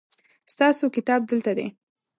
ستاسو کتاب دلته دی